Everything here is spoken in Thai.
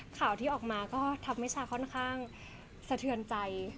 ข่าวที่ออกมาก็ทำให้ชาค่อนข้างสะเทือนใจ